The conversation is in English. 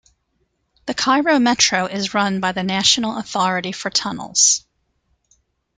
The Cairo Metro is run by the National Authority for Tunnels.